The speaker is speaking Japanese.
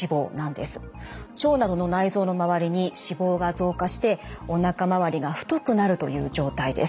腸などの内臓の周りに脂肪が増加しておなか回りが太くなるという状態です。